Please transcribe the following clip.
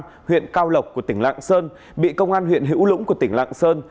hộ khẩu thường chú tại một trăm tám mươi ba huyện cao lộc tỉnh lạng sơn bị công an huyện hữu lũng tỉnh lạng sơn